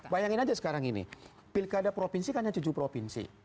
bayangin aja sekarang ini pilkada provinsi kan hanya tujuh provinsi